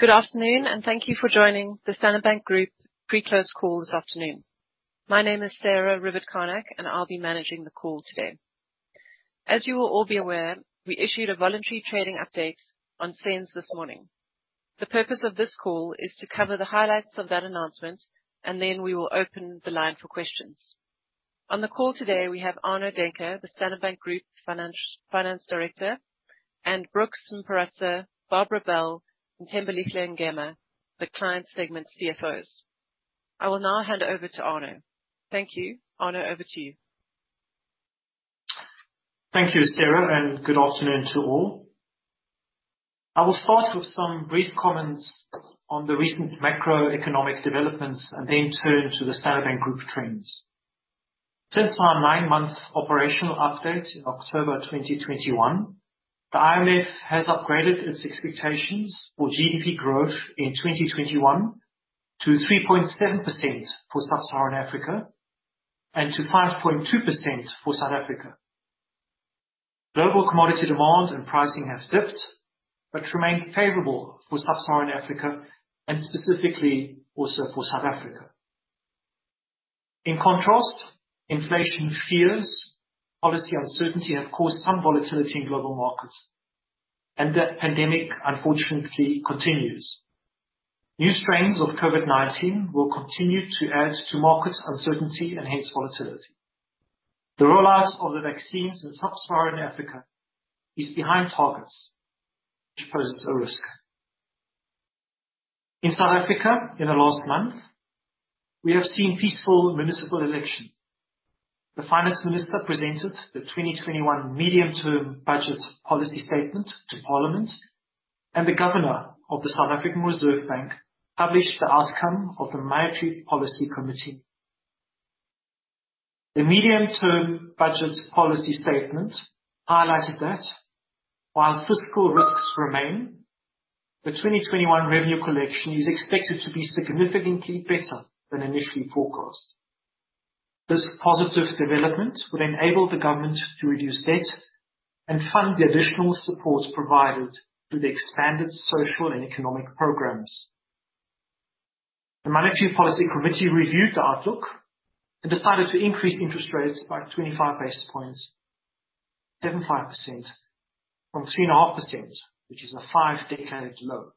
Good afternoon, and thank you for joining the Standard Bank Group pre-close call this afternoon. My name is Sarah Rivett-Carnac, and I'll be managing the call today. As you will all be aware, we issued a voluntary trading update on SENS this morning. The purpose of this call is to cover the highlights of that announcement, and then we will open the line for questions. On the call today, we have Arno Daehnke, the Standard Bank Group Finance Director, and Brooks Mparutsa, Barbara Bell, and Thembelihle Ngema, the client segment CFOs. I will now hand over to Arno. Thank you. Arno, over to you. Thank you, Sarah, and good afternoon to all. I will start with some brief comments on the recent macroeconomic developments and then turn to the Standard Bank Group trends. Since our nine-month operational update in October 2021, the IMF has upgraded its expectations for GDP growth in 2021 to 3.7% for Sub-Saharan Africa and to 5.2% for South Africa. Global commodity demand and pricing have dipped, but remain favorable for Sub-Saharan Africa and specifically also for South Africa. In contrast, inflation fears, policy uncertainty have caused some volatility in global markets. The pandemic, unfortunately, continues. New strains of COVID-19 will continue to add to market uncertainty and hence volatility. The rollout of the vaccines in Sub-Saharan Africa is behind targets, which poses a risk. In South Africa, in the last month, we have seen peaceful municipal elections. The Finance Minister presented the 2021 Medium-Term Budget Policy Statement to parliament. The governor of the South African Reserve Bank published the outcome of the Monetary Policy Committee. The Medium-Term Budget Policy Statement highlighted that while fiscal risks remain, the 2021 revenue collection is expected to be significantly better than initially forecast. This positive development would enable the government to reduce debt and fund the additional support provided through the expanded social and economic programs. The Monetary Policy Committee reviewed the outlook and decided to increase interest rates by 25 basis points to 7.5% from 3.5%, which is a five-decade low.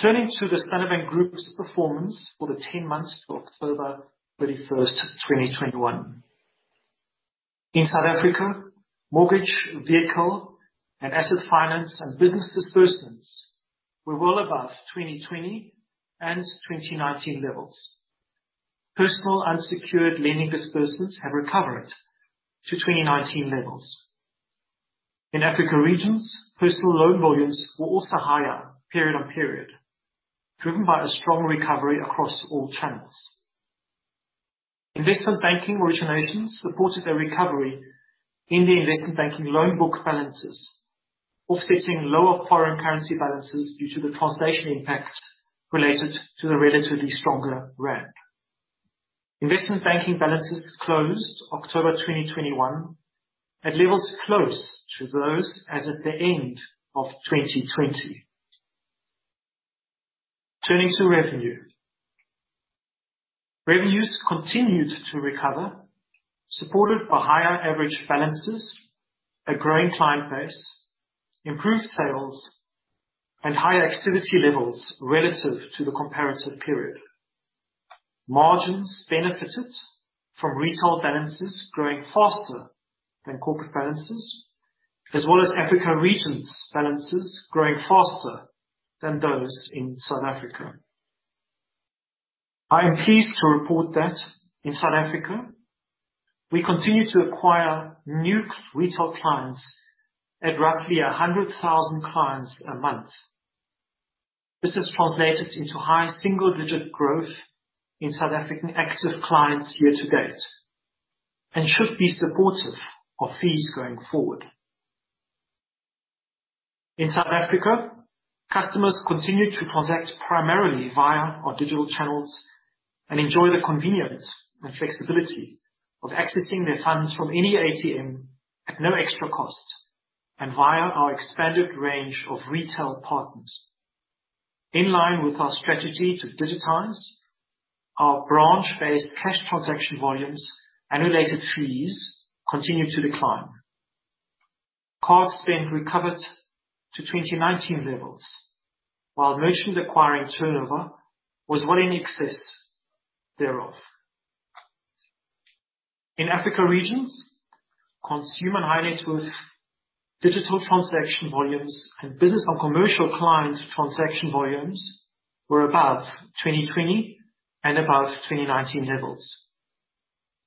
Turning to the Standard Bank Group's performance for the 10 months to October 31, 2021. In South Africa, mortgage, vehicle, and asset finance and business disbursements were well above 2020 and 2019 levels. Personal unsecured lending disbursements have recovered to 2019 levels. In Africa regions, personal loan volumes were also higher period-on-period, driven by a strong recovery across all channels. Investment banking originations supported a recovery in the investment banking loan book balances, offsetting lower foreign currency balances due to the translation impact related to the relatively stronger rand. Investment banking balances closed October 2021 at levels close to those as at the end of 2020. Turning to revenue. Revenues continued to recover, supported by higher average balances, a growing client base, improved sales, and higher activity levels relative to the comparative period. Margins benefited from retail balances growing faster than corporate balances, as well as Africa regions balances growing faster than those in South Africa. I am pleased to report that in South Africa, we continue to acquire new retail clients at roughly 100,000 clients a month. This has translated into high single-digit growth in South African active clients year to date and should be supportive of fees going forward. In South Africa, customers continue to transact primarily via our digital channels and enjoy the convenience and flexibility of accessing their funds from any ATM at no extra cost and via our expanded range of retail partners. In line with our strategy to digitize, our branch-based cash transaction volumes and related fees continue to decline. Card spend recovered to 2019 levels, while merchant acquiring turnover was well in excess thereof. In African regions, consumer and high net worth digital transaction volumes and business and commercial client transaction volumes were above 2020 and above 2019 levels.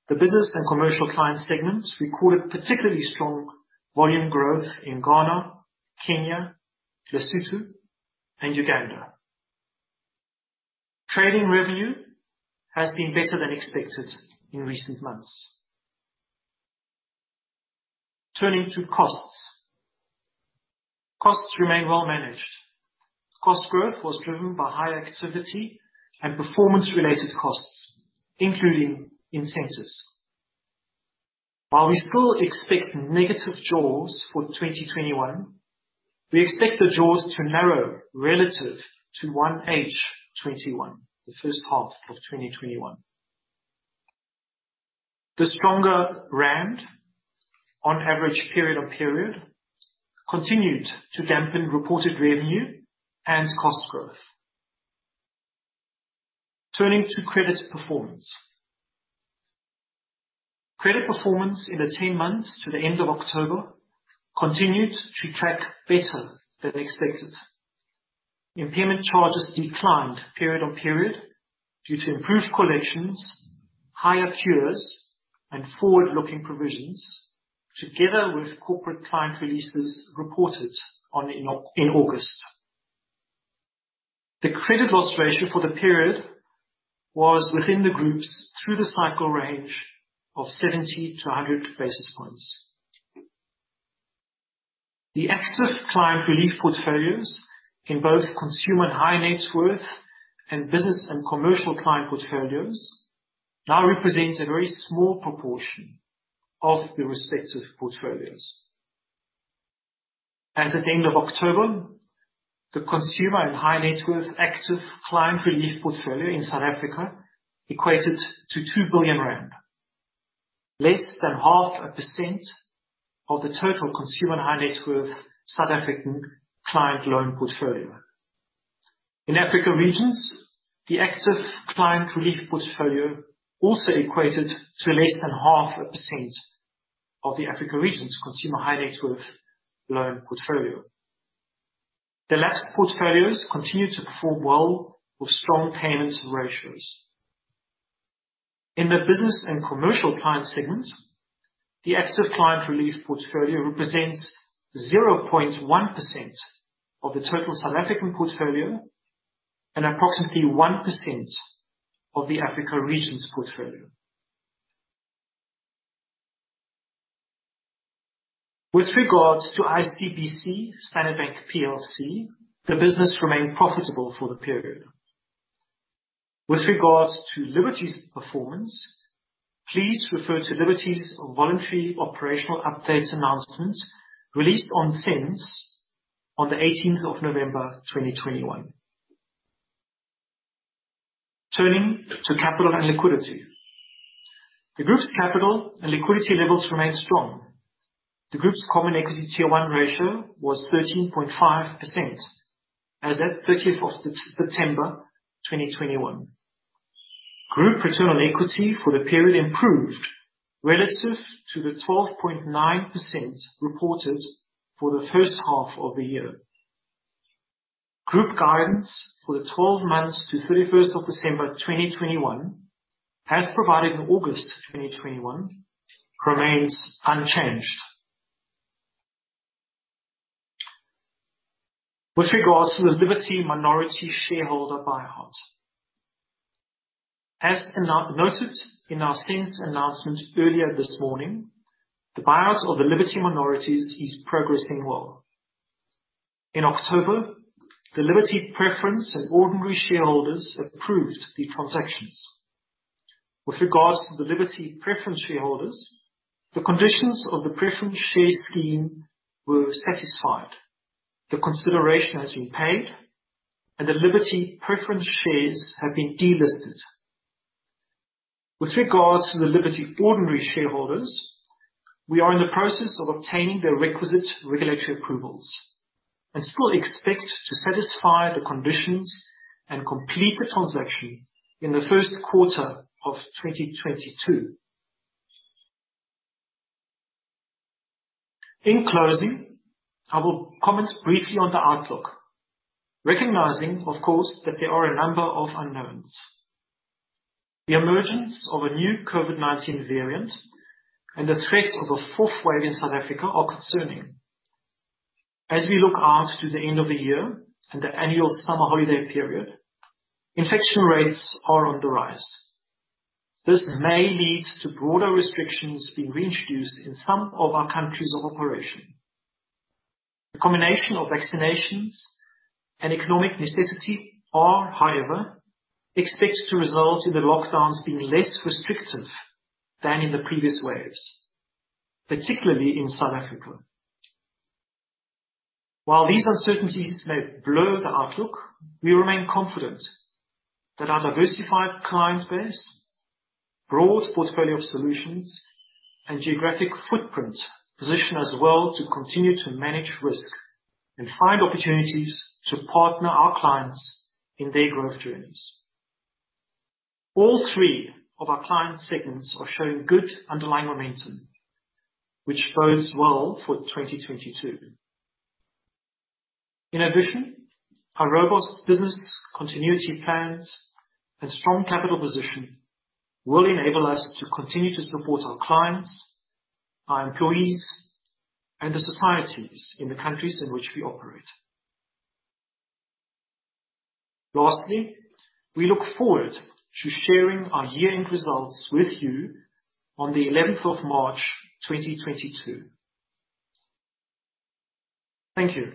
The Business and Commercial client segments recorded particularly strong volume growth in Ghana, Kenya, Lesotho, and Uganda. Trading revenue has been better than expected in recent months. Turning to costs remain well managed. Cost growth was driven by high activity and performance-related costs, including incentives. While we still expect negative jaws for 2021, we expect the jaws to narrow relative to 1H 2021, the first half of 2021. The stronger rand on average period-on-period continued to dampen reported revenue and cost growth. Turning to credit performance, credit performance in the 10 months to the end of October continued to track better than expected. Impairment charges declined period-on-period due to improved collections, higher cures, and forward-looking provisions, together with corporate client releases reported on in August. The credit loss ratio for the period was within the Group's through-the-cycle range of 70-100 basis points. The active client relief portfolios in both Consumer and High Net Worth and Business and Commercial client portfolios now represent a very small proportion of the respective portfolios. As at the end of October, the Consumer and High Net Worth active client relief portfolio in South Africa equated to 2 billion rand, less than 0.5% of the total Consumer and High Net Worth South African client loan portfolio. In Africa regions, the active client relief portfolio also equated to less than 0.5% of the Africa regions Consumer and High Net Worth loan portfolio. The lapsed portfolios continued to perform well with strong payments and ratios. In the business and commercial client segment, the active client relief portfolio represents 0.1% of the total South African portfolio and approximately 1% of the Africa regions portfolio. With regards to ICBC Standard Bank Plc, the business remained profitable for the period. With regards to Liberty's performance, please refer to Liberty's voluntary operational update announcement released on SENS on the 18th of November, 2021. Turning to capital and liquidity. The group's capital and liquidity levels remained strong. The group's Common Equity Tier 1 ratio was 13.5% as at 30 September 2021. Group return on equity for the period improved relative to the 12.9% reported for the first half of the year. Group guidance for the 12 months to 31 December 2021, as provided in August 2021, remains unchanged. With regards to the Liberty minority shareholder buyout. As noted in our SENS announcement earlier this morning, the buyout of the Liberty minorities is progressing well. In October, the Liberty preference and ordinary shareholders approved the transactions. With regards to the Liberty preference shareholders, the conditions of the preference share scheme were satisfied. The consideration has been paid, and the Liberty preference shares have been delisted. With regards to the Liberty ordinary shareholders, we are in the process of obtaining the requisite regulatory approvals and still expect to satisfy the conditions and complete the transaction in the first quarter of 2022. In closing, I will comment briefly on the outlook. Recognizing, of course, that there are a number of unknowns. The emergence of a new COVID-19 variant and the threats of a fourth wave in South Africa are concerning. As we look out to the end of the year and the annual summer holiday period, infection rates are on the rise. This may lead to broader restrictions being reintroduced in some of our countries of operation. The combination of vaccinations and economic necessity are, however, expected to result in the lockdowns being less restrictive than in the previous waves, particularly in South Africa. While these uncertainties may blur the outlook, we remain confident that our diversified client base, broad portfolio of solutions, and geographic footprint position us well to continue to manage risk and find opportunities to partner our clients in their growth journeys. All three of our client segments are showing good underlying momentum, which bodes well for 2022. In addition, our robust business continuity plans and strong capital position will enable us to continue to support our clients, our employees, and the societies in the countries in which we operate. Lastly, we look forward to sharing our year-end results with you on the eleventh of March, 2022. Thank you.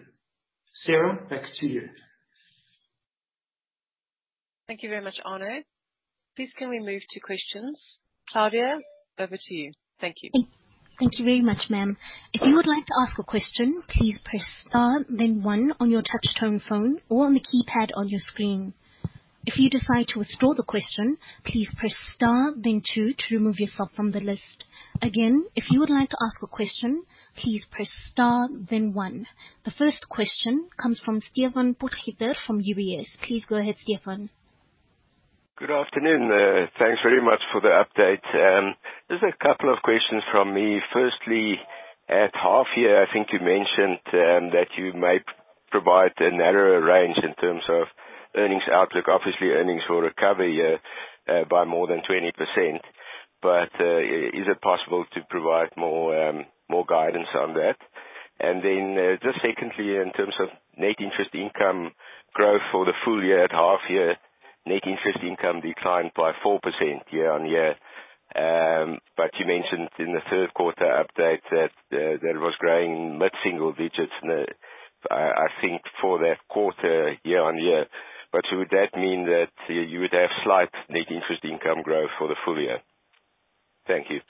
Sarah, back to you. Thank you very much, Arno. Please can we move to questions? Claudia, over to you. Thank you. Thank you very much, ma'am. If you would like to ask a question, please press star then one on your touchtone phone or on the keypad on your screen. If you decide to withdraw the question, please press star then two to remove yourself from the list. Again, if you would like to ask a questi.on, please press star then one. The first question comes from Stephan Potgieter from UBS. Please go ahead, Stephan. Good afternoon. Thanks very much for the update. Just a couple of questions from me. Firstly, at half year, I think you mentioned that you might provide a narrower range in terms of earnings outlook. Obviously, earnings will recover here by more than 20%. Is it possible to provide more guidance on that? Just secondly, in terms of net interest income growth for the full year. At half year, net interest income declined by 4% year-on-year. You mentioned in the third quarter update that it was growing mid-single digits, I think for that quarter year-on-year. Would that mean that you would have slight net interest income growth for the full year? Thank you.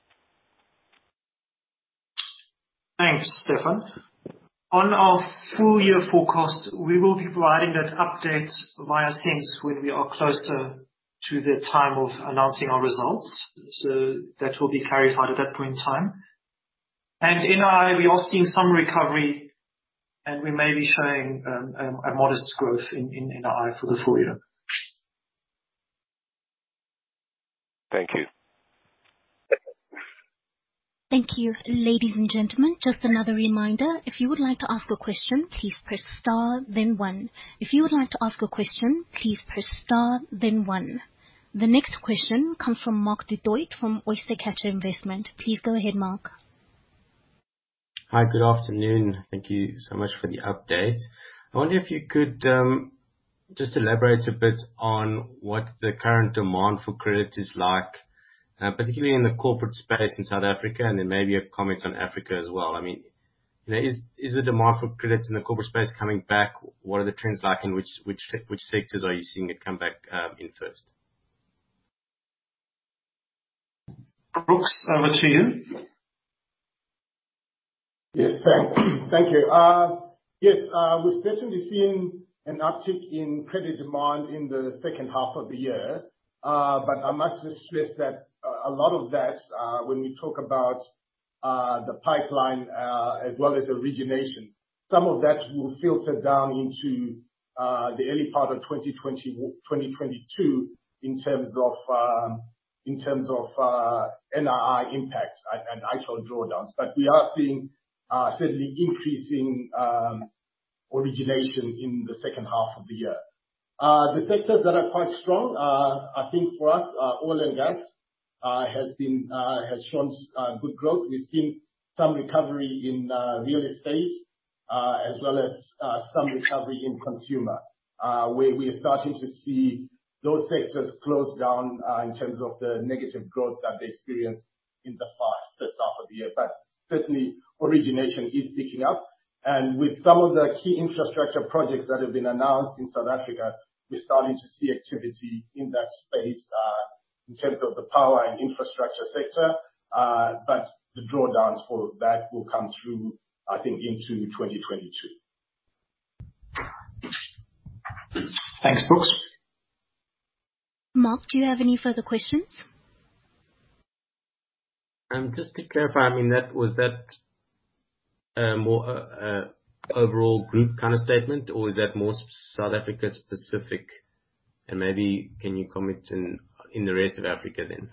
Thanks, Stephan. On our full year forecast, we will be providing that update via SENS when we are closer to the time of announcing our results. That will be carried out at that point in time. NII, we are seeing some recovery, and we may be showing a modest growth in NII for the full year. Thank you. Thank you. The next question comes from Mark Du Toit from Oyster Catcher Investments. Please go ahead, Mark. Hi. Good afternoon. Thank you so much for the update. I wonder if you could just elaborate a bit on what the current demand for credit is like, particularly in the corporate space in South Africa, and then maybe a comment on Africa as well. I mean, you know, is the demand for credit in the corporate space coming back? What are the trends like, and which sectors are you seeing it come back in first? Brooks, over to you. Yes. Thank you. Yes. We're certainly seeing an uptick in credit demand in the second half of the year. I must stress that a lot of that, when we talk about the pipeline, as well as origination, some of that will filter down into the early part of 2022 in terms of NII impact and actual drawdowns. We are seeing certainly increasing origination in the second half of the year. The sectors that are quite strong, I think for us, oil and gas has shown good growth. We've seen some recovery in real estate, as well as some recovery in consumer. We are starting to see those sectors close down in terms of the negative growth that they experienced in the first half of the year. Certainly origination is picking up. With some of the key infrastructure projects that have been announced in South Africa, we're starting to see activity in that space in terms of the power and infrastructure sector. The drawdowns for that will come through, I think, into 2022. Thanks, Brooks. Mark, do you have any further questions? Just to clarify, I mean, was that more overall group kind of statement or is that more South Africa specific? Maybe can you comment in the rest of Africa then?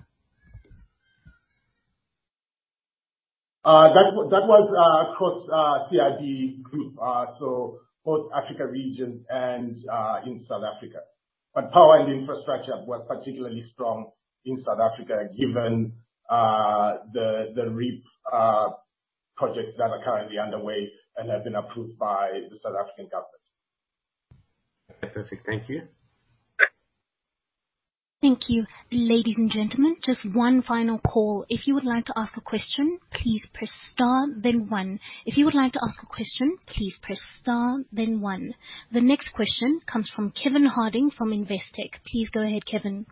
That was across CIB Group. So both Africa region and in South Africa. Power and infrastructure was particularly strong in South Africa, given the REIPPPP projects that are currently underway and have been approved by the South African government. Perfect. Thank you. Thank you. Ladies and gentlemen, just one final call. If you would like to ask a question, please press star then one. The next question comes from Kevin Harding from Investec. Please go ahead, Kevin.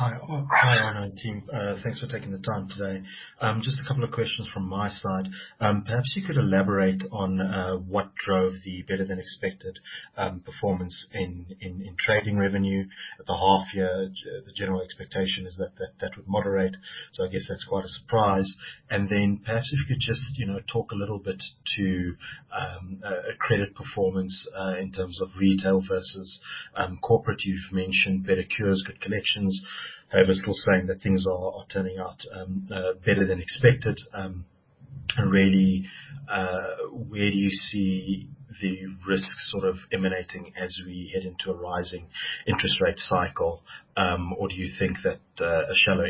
Hi. Hi, Arno and team. Thanks for taking the time today. Just a couple of questions from my side. Perhaps you could elaborate on what drove the better than expected performance in trading revenue at the half year. Yeah, the general expectation is that would moderate. I guess that's quite a surprise. Perhaps if you could just, you know, talk a little bit to credit performance in terms of retail versus corporate. You've mentioned better cures, good collections. However, still saying that things are turning out better than expected. Really, where do you see the risks sort of emanating as we head into a rising interest rate cycle? Do you think that a shallow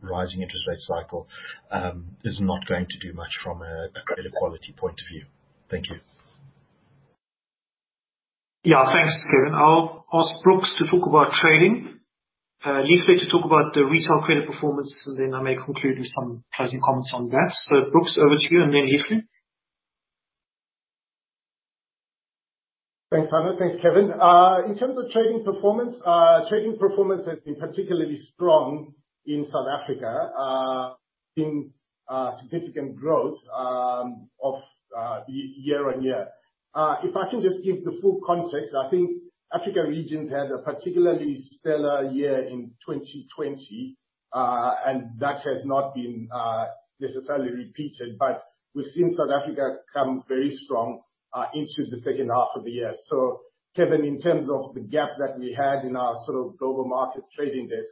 rising interest rate cycle is not going to do much from a credit quality point of view? Thank you. Yeah. Thanks, Kevin. I'll ask Brooks to talk about trading, Thembelihle to talk about the retail credit performance, and then I may conclude with some closing comments on that. Brooks, over to you, and then Thembelihle. Thanks, Arno. Thanks, Kevin. In terms of trading performance, trading performance has been particularly strong in South Africa, seeing significant year-on-year growth. If I can just give the full context, I think Africa region had a particularly stellar year in 2020, and that has not been necessarily repeated. But we've seen South Africa come very strong into the second half of the year. Kevin, in terms of the gap that we had in our sort of global markets trading desk,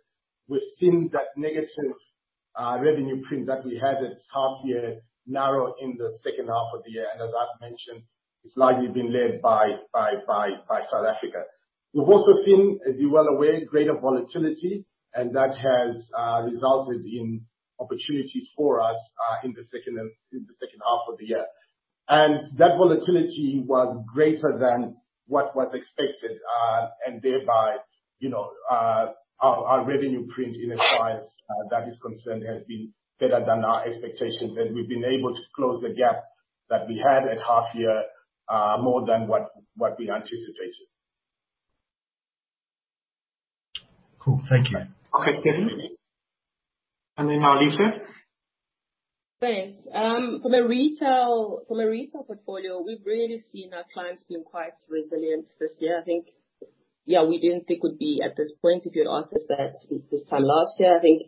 we've seen that negative revenue print that we had at half year narrow in the second half of the year. As I've mentioned, it's largely been led by South Africa. We've also seen, as you're well aware, greater volatility, and that has resulted in opportunities for us in the second half of the year. That volatility was greater than what was expected, and thereby, you know, our revenue print in as far as that is concerned, has been better than our expectations. We've been able to close the gap that we had at half year more than what we anticipated. Cool. Thank you. Okay. Now Thembelihle. Thanks. From a retail portfolio, we've really seen our clients being quite resilient this year. I think, yeah, we didn't think we'd be at this point if you had asked us that this time last year. I think,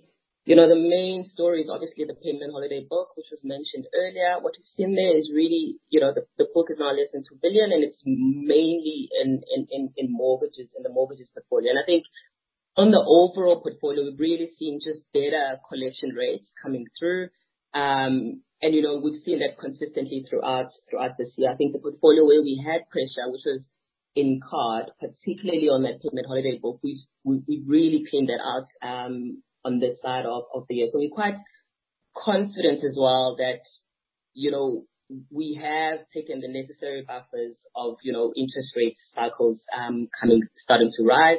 you know, the main story is obviously the payment holiday book, which was mentioned earlier. What we've seen there is the book is now less than 2 billion, and it's mainly in mortgages, in the mortgages portfolio. I think on the overall portfolio, we've really seen just better collection rates coming through. You know, we've seen that consistently throughout this year. I think the portfolio where we had pressure, which was in card, particularly on that payment holiday book, we've really cleaned that out, on this side of the year. We're quite confident as well that, you know, we have taken the necessary buffers of, you know, interest rates cycles coming starting to rise.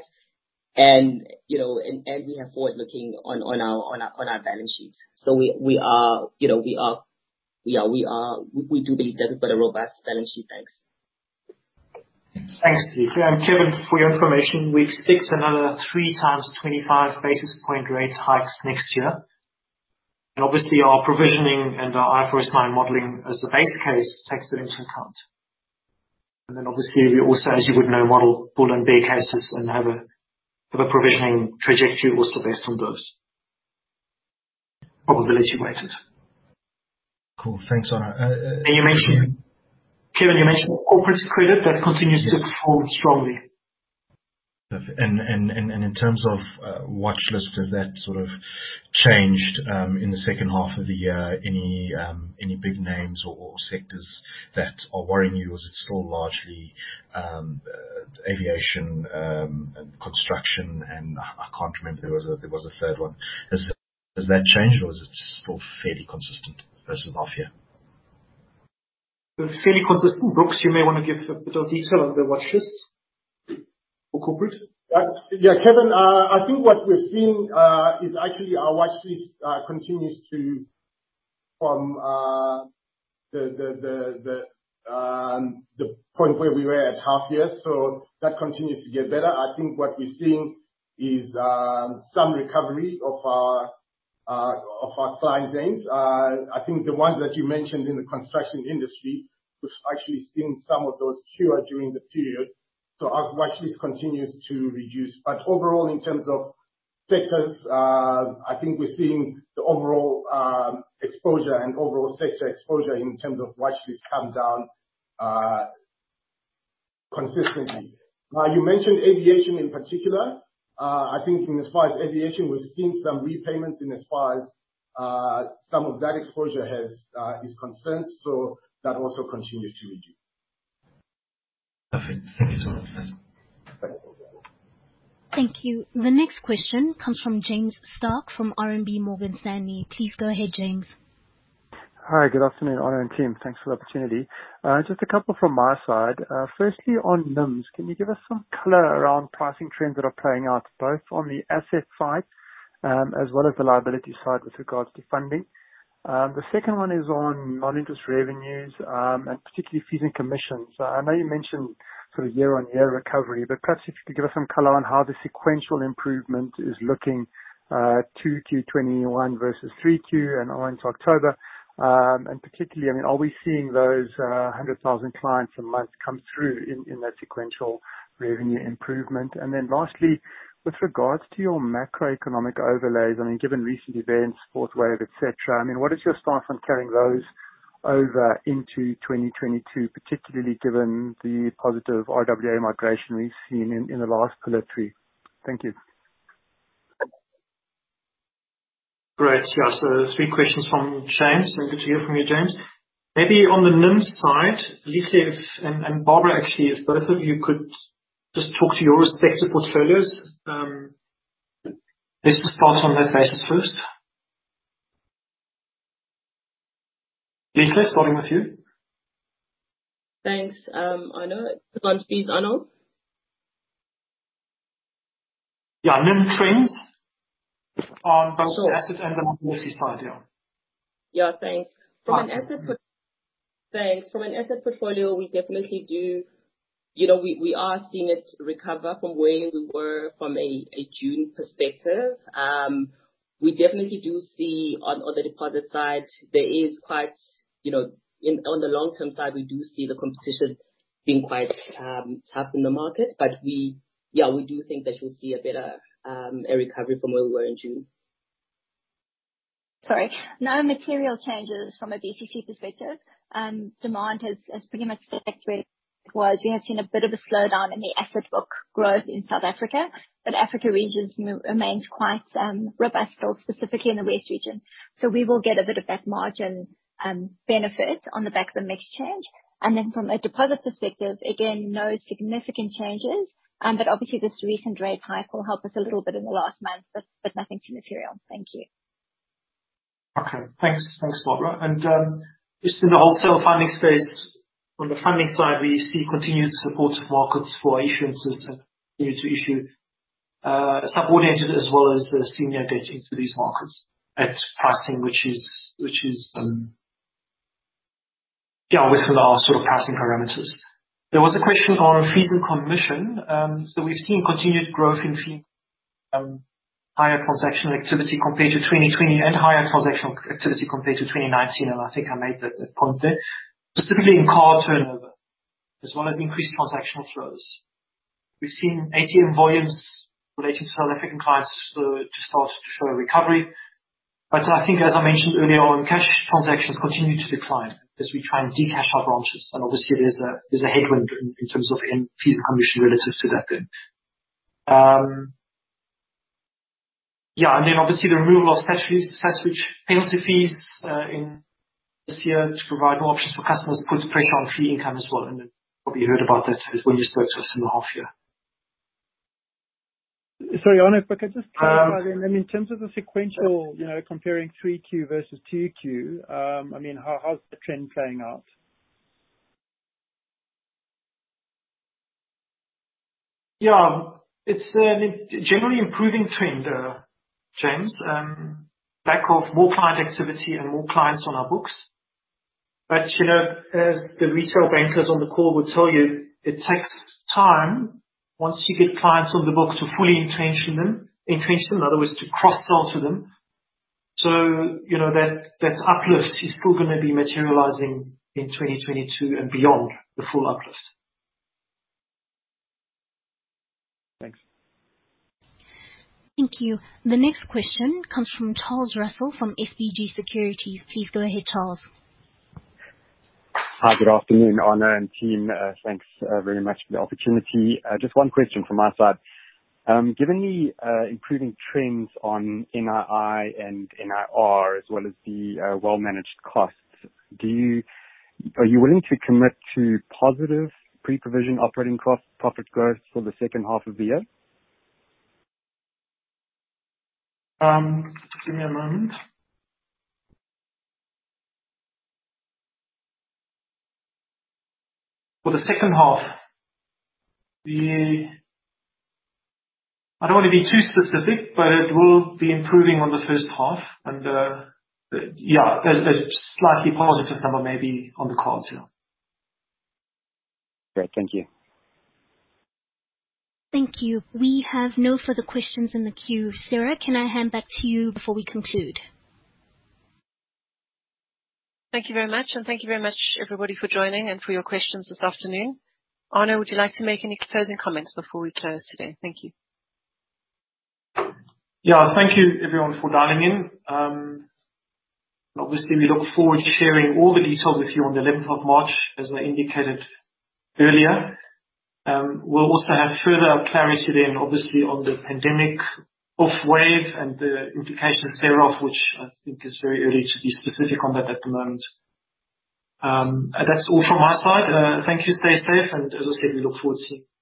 You know, we have forward looking on our balance sheet. We are, you know, we do believe that we've got a robust balance sheet, thanks. Thanks, Thembelihle. Kevin, for your information, we expect another 3x 25 basis point rate hikes next year. Obviously our provisioning and our IFRS 9 modeling as the base case takes it into account. Obviously we also, as you would know, model bull and bear cases and have a provisioning trajectory also based on those. Probability weighted. Cool. Thanks, Arno. Kevin- You mentioned, Kevin, corporate credit. Yes. That continues to perform strongly. In terms of watchlist, has that sort of changed in the second half of the year? Any big names or sectors that are worrying you, or is it still largely aviation and construction and I can't remember. There was a third one. Has that changed or is it still fairly consistent versus half year? Fairly consistent. Brooks, you may wanna give a bit of detail on the watchlist for corporate. Kevin, I think what we're seeing is actually our watchlist continues to from the point where we were at half year. That continues to get better. I think what we're seeing is some recovery of our client base. I think the ones that you mentioned in the construction industry, we've actually seen some of those cure during the period. Our watchlist continues to reduce. But overall, in terms of sectors, I think we're seeing the overall exposure and overall sector exposure in terms of watchlist come down consistently. Now, you mentioned aviation in particular. I think in as far as aviation, we're seeing some repayments in as far as some of that exposure is concerned. That also continues to reduce. Perfect. Thank you so much. Thanks. Thank you. The next question comes from James Starke, from RMB Morgan Stanley. Please go ahead, James. Hi. Good afternoon, Arno and team. Thanks for the opportunity. Just a couple from my side. Firstly, on NIMs. Can you give us some color around pricing trends that are playing out, both on the asset side, as well as the liability side with regards to funding? The second one is on non-interest revenues, and particularly fees and commissions. I know you mentioned sort of year-on-year recovery, but perhaps if you could give us some color on how the sequential improvement is looking, 2Q 2021 versus 3Q and on to October. Particularly, I mean, are we seeing those 100,000 clients a month come through in that sequential revenue improvement? Lastly, with regards to your macroeconomic overlays, I mean, given recent events, fourth wave, et cetera, I mean, what is your stance on carrying those over into 2022, particularly given the positive RWA migration we've seen in the last Pillar 3? Thank you. Great. Yes. Three questions from James. Good to hear from you, James. Maybe on the NIMs side, Thembelihle. And Barbara, actually, if both of you could just talk to your respective portfolios, let's just start on that basis first. Thembelihle, starting with you. Thanks, Arno. It's on fees, Arno? Yeah. New trends on both the asset and the liability side, yeah. Yeah, thanks. From an asset portfolio, we definitely do. You know, we are seeing it recover from where we were from a June perspective. We definitely do see on the deposit side, there is quite you know intense on the long-term side, we do see the competition being quite tough in the market. We yeah we do think that we'll see a better recovery from where we were in June. Sorry. No material changes from a BCC perspective. Demand has pretty much stayed where it was. We have seen a bit of a slowdown in the asset book growth in South Africa, but Africa regions remains quite robust still, specifically in the west region. We will get a bit of that margin benefit on the back of the mix change. From a deposit perspective, again, no significant changes. Obviously, this recent rate hike will help us a little bit in the last month, but nothing too material. Thank you. Okay, thanks. Thanks, Barbara. Just in the wholesale funding space, from the funding side, we see continued support of markets for issuances and continue to issue subordinated as well as senior debt into these markets at pricing which is within our sort of pricing parameters. There was a question on fees and commission. So, we've seen continued growth in fees, higher transactional activity compared to 2020, and higher transactional activity compared to 2019, and I think I made that point there. Specifically in card turnover, as well as increased transactional flows. We've seen ATM volumes related to South African clients just started to show a recovery. I think, as I mentioned earlier on, cash transactions continue to decline as we try and de-cash our branches. Obviously, there's a headwind in terms of fees and commission relative to that then. Yeah, and then obviously the removal of statutory penalty fees in this year to provide more options for customers puts pressure on fee income as well, and you probably heard about that as well yesterday to a similar half year. Sorry, Arno, if I could just- Um- I mean, in terms of the sequential, you know, comparing 3Q versus 2Q, I mean, how's the trend playing out? Yeah. It's a generally improving trend, James. Backed by more client activity and more clients on our books. You know, as the retail bankers on the call will tell you, it takes time once you get clients on the books to fully entrench them, in other words, to cross-sell to them. You know, that uplift is still gonna be materializing in 2022 and beyond, the full uplift. Thanks. Thank you. The next question comes from Charles Russell from SBG Securities. Please go ahead, Charles. Hi. Good afternoon, Arno and team. Thanks very much for the opportunity. Just one question from my side. Given the improving trends on NII and NIR as well as the well-managed costs, are you willing to commit to positive pre-provision operating cost, profit growth for the second half of the year? Just give me a moment. For the second half, I don't wanna be too specific, but it will be improving on the first half and, yeah, there's slightly positive number maybe on the cards, yeah. Great. Thank you. Thank you. We have no further questions in the queue. Sarah, can I hand back to you before we conclude? Thank you very much. Thank you very much everybody for joining and for your questions this afternoon. Arno, would you like to make any closing comments before we close today? Thank you. Thank you everyone for dialing in. Obviously, we look forward to sharing all the detail with you on the eleventh of March, as I indicated earlier. We'll also have further clarity then obviously on the pandemic fourth wave and the implications thereof, which I think it's very early to be specific on that at the moment. That's all from my side. Thank you. Stay safe. As I said, we look forward to seeing you.